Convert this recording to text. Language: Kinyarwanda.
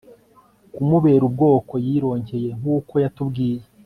kumubera ubwoko yironkeye nk uko yakubwiye